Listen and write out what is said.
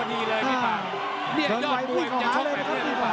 ไม่เหลี่ยมดีจริงนะ